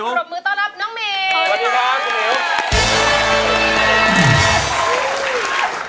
สวัสดีครับคุณหมิว